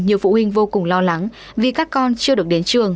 nhiều phụ huynh vô cùng lo lắng vì các con chưa được đến trường